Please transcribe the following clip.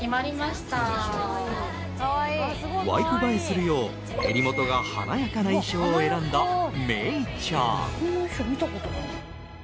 ワイプ映えするよう襟元が華やかな衣装を選んだメイちゃん。